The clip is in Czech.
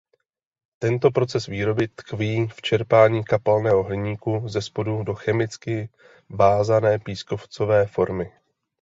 Tento proces výroby tkví v čerpání kapalného hliníku zespodu do chemicky vázané pískovcové formy.